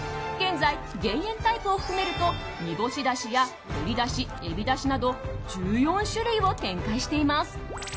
現在、減塩タイプを含めると煮干しだしや鶏だし海老だしなど１４種類を展開しています。